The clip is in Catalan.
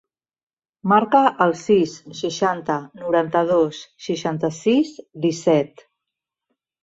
Marca el sis, seixanta, noranta-dos, seixanta-sis, disset.